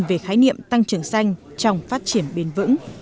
về khái niệm tăng trưởng xanh trong phát triển bền vững